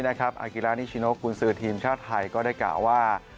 อากิรานิชิโนกุญสือทีมชาติไทยก็ได้กล่าวว่า